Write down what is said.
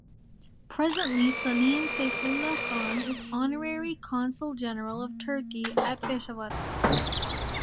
Presently Salim Saifullah khan is Honorary Consul General of Turkey, at Peshawar.